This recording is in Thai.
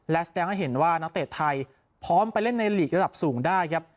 และแสดงให้เห็นว่านักเตะไทยพร้อมไปเล่นในหลีกระดับสูงได้ครับ